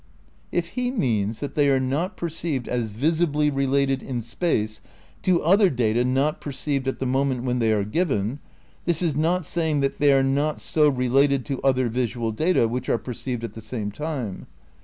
If he means that they are not perceived as visibly related in space to other data not perceived at the moment when they are given, this is not saying that they are not so related to other visual data which are perceived at the same time.